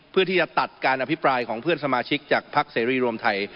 เพื่อที่จะตัดการอภิปรายของเพื่อนสมาชิกจากพักเสรีรวมไทย